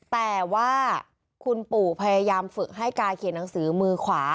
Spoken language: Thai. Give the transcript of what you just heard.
แต่ว่าคุณปู่พยายามฝึกให้กายเขียนหนังสือมือขวา